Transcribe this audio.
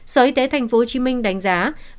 sở y tế tp hcm đánh giá